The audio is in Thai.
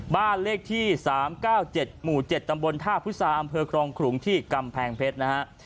บ้านเลขที่สามเก้าเจ็ดหมู่เจ็ดตำบลท่าพุทธศาสตร์อำเภอครองขรุงที่กำแพงเพชรนะฮะ